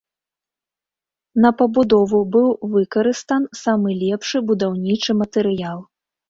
На пабудову быў выкарыстан самы лепшы будаўнічы матэрыял.